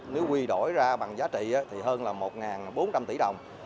nếu quy đổi ra bằng giá trị thì hơn là một bốn trăm linh tỷ đồng